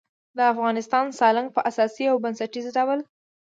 د افغانستان سالنګ په اساسي او بنسټیز ډول